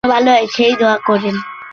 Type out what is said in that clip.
ব্যর্থ মানুষের মত ওখানে দাঁড়িয়ে থেকো না!